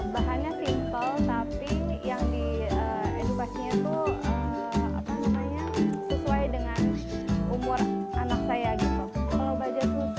bahannya simple tapi yang di eduvasinya itu sesuai dengan umur anak saya gitu